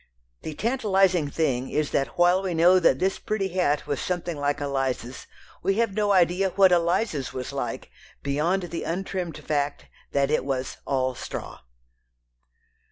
The tantalizing thing is that while we know that this pretty hat was something like Eliza's, we have no idea what Eliza's was like, beyond the untrimmed fact that it was "all straw."